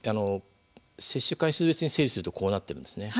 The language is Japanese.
接種回数別に整理するとこうなっているんですね。